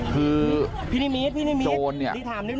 คือโจรเนี่ย